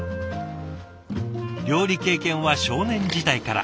料理経験は少年時代から。